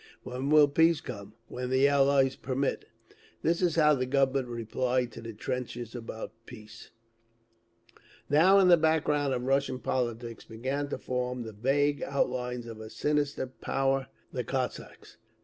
When will peace come? When the Allies permit. That is how the Government replied to the trenches about peace! Now in the background of Russian politics began to form the vague outlines of a sinister power—the Cossacks.